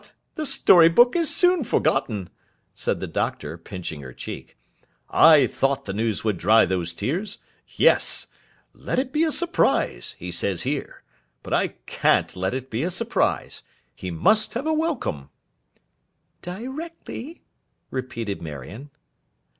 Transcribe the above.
'What! The story book is soon forgotten!' said the Doctor, pinching her cheek. 'I thought the news would dry those tears. Yes. "Let it be a surprise," he says, here. But I can't let it be a surprise. He must have a welcome.' 'Directly!' repeated Marion.